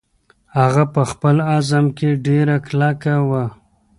هغه په خپل عزم کې ډېره کلکه وه.